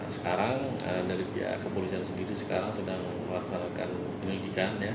sekarang dari pihak kepolisian sendiri sekarang sedang melaksanakan penyelidikan